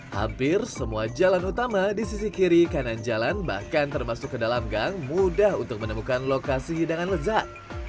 hampir semua jalan utama di sisi kiri kanan jalan bahkan termasuk ke dalam gang mudah untuk menemukan lokasi hidangan lezat